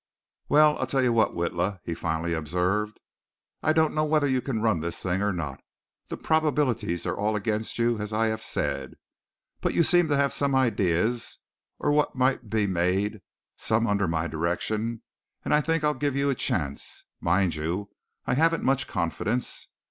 "Well, I'll tell you what, Witla," he finally observed. "I don't know whether you can run this thing or not the probabilities are all against you as I have said, but you seem to have some ideas or what might be made some under my direction, and I think I'll give you a chance. Mind you, I haven't much confidence.